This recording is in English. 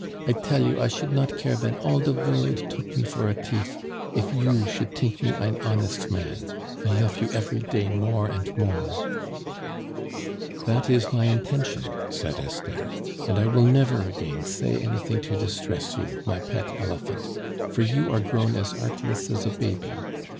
I tell you, I should not care ven all de vorld took me for a tief, if you should tink me ein honest man. I lofe you every day more and more." "That is my intention," said Esther. "And I will never again say anything to distress you, my pet elephant, for you are grown as artless as a baby.